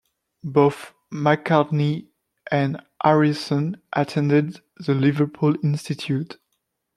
Both McCartney and Harrison attended the Liverpool Institute.